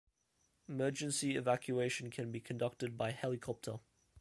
Emergency evacuation can be conducted by helicopter.